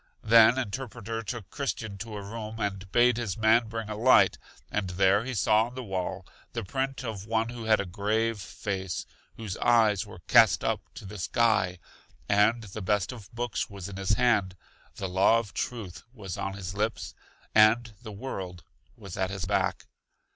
Then Interpreter took Christian to a room, and bade his man bring a light, and there he saw on the wall the print of one who had a grave face, whose eyes were cast up to the sky, and the best of books was in His hand, the law of truth was on His lips, and the world was at His back.